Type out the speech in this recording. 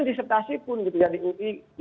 disertasi pun gitu ya di ui